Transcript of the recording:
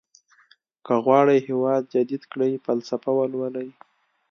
که غواړئ هېواد جديد کړئ فلسفه ولولئ.